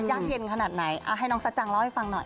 ยากเย็นขนาดไหนให้น้องสัจจังเล่าให้ฟังหน่อย